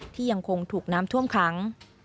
ยังคงถูกน้ำท่วมขัง